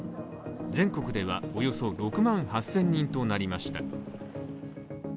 全国ではおよそ６万８０００人となりました。